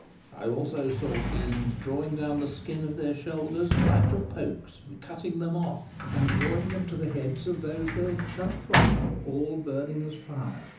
I also saw fiends drawing down the skin of their shoulders like to pokes, and cutting them off, and drawing them to the heads of those they cut them from, all burning as fire.